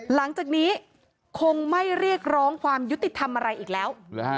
หลังจากนี้คงไม่เรียกร้องความยุติธรรมอะไรอีกแล้ว